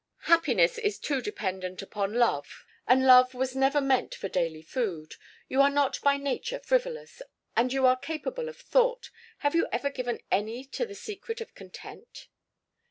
Happiness is too dependent upon love, and love was never meant for daily food. You are not by nature frivolous, and you are capable of thought. Have you ever given any to the secret of content?"